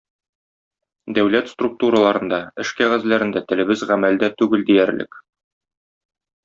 Дәүләт структураларында, эш кәгазьләрендә телебез гамәлдә түгел диярлек.